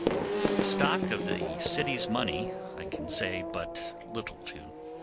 The stock of the city's money I can say but little to.